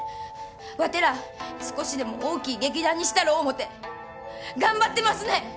ワテら少しでも大きい劇団にしたろ思うて頑張ってますねん！